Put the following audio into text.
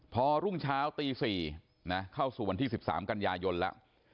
พอรุ่งเช้าตี๔เข้าสู่วันที่๑๓กันยายนแล้ว